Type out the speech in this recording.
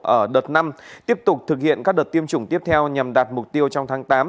ở đợt năm tiếp tục thực hiện các đợt tiêm chủng tiếp theo nhằm đạt mục tiêu trong tháng tám